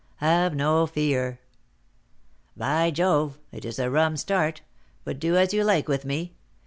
"Have no fear." "By Jove! it is a 'rum start;' but do as you like with me.